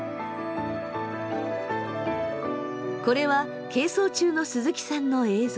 これは係争中の鈴木さんの映像。